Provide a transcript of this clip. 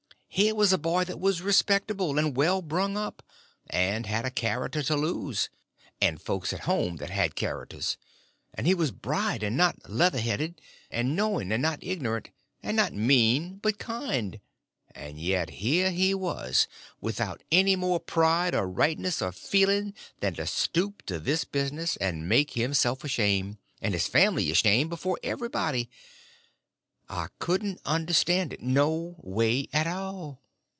Here was a boy that was respectable and well brung up; and had a character to lose; and folks at home that had characters; and he was bright and not leather headed; and knowing and not ignorant; and not mean, but kind; and yet here he was, without any more pride, or rightness, or feeling, than to stoop to this business, and make himself a shame, and his family a shame, before everybody. I couldn't understand it no way at all.